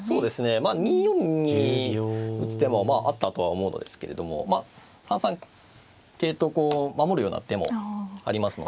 まあ２四に打つ手もあったとは思うのですけれどもまあ３三桂とこう守るような手もありますので。